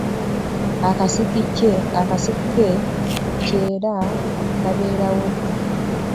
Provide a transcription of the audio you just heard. Akasiki kye ki era kubeerawo ddi?